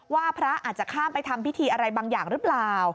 ว่าพระอาจจะข้ามไปทำพิธีอะไรบางอย่างหรือเปล่า